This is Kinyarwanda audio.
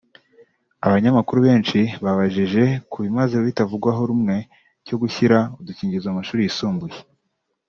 Abanyamakuru benshi babajije ku bimaze bitavugwaho rumwe cyo gushyira udukingirizo mu mashuri yisumbuye